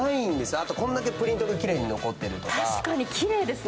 あとこんだけプリントがきれいに残ってるとか。